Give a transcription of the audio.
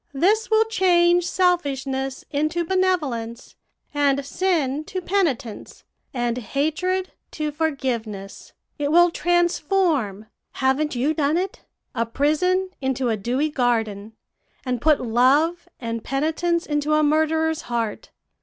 This will change selfishness into benevolence, and sin to penitence, and hatred to forgiveness; it will transform haven't you done it? a prison into a dewy garden, and put love and penitence into a murderer's heart.